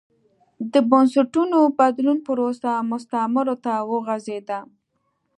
د بنسټونو بدلون پروسه مستعمرو ته وغځېده.